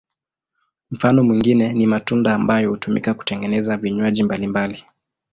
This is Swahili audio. Mfano mwingine ni matunda ambayo hutumika kutengeneza vinywaji mbalimbali.